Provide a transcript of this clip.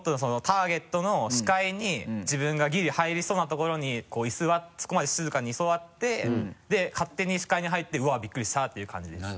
ターゲットの視界に自分がギリ入りそうな所にそこまで静かに居座ってで勝手に視界に入って「うわっびっくりした」っていう感じです。